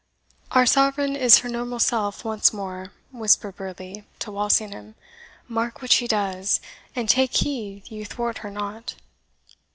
"Our Sovereign is her noble self once more," whispered Burleigh to Walsingham; "mark what she does, and take heed you thwart her not."